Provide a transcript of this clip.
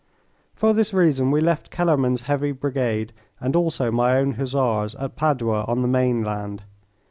For this reason we left Kellermann's heavy brigade and also my own Hussars at Padua on the mainland.